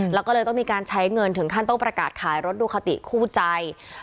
แล้วก็เลยต้องมีการใช้เงินถึงขั้นต้องประกาศขายรถดูคาติคู่ใจ